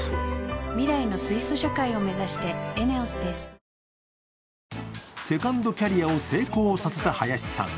新発売セカンドキャリアを成功させた林さん。